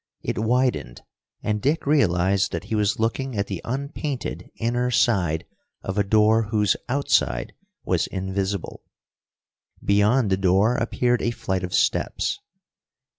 It widened, and Dick realized that he was looking at the unpainted inner side of a door whose outside was invisible. Beyond the door appeared a flight of steps.